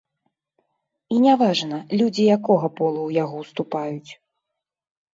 І не важна, людзі якога полу ў яго ўступаюць.